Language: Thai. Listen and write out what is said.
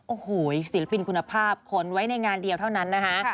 โอ้โหศิลปินคุณภาพขนไว้ในงานเดียวเท่านั้นนะคะ